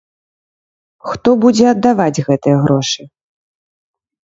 Хто будзе аддаваць гэтыя грошы?